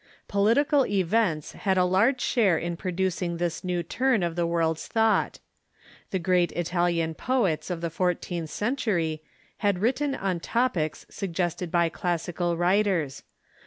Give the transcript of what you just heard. Political events had a large share in producing this new turn in the world's thought. The great Italian poets of the fourteenth century had written on topics suggested by classical writers.